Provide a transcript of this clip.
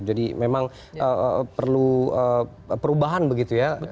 jadi memang perlu perubahan begitu ya